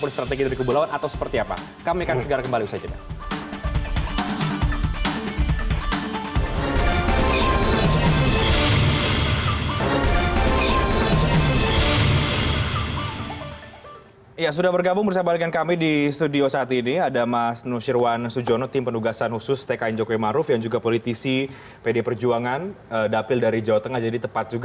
sebelumnya prabowo subianto